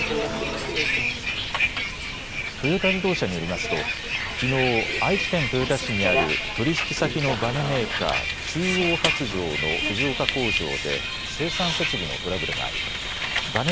トヨタ自動車によりますときのう愛知県豊田市にある取引先のばねメーカー、中央発條の藤岡工場で生産設備のトラブルがありばね